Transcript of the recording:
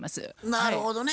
なるほどね。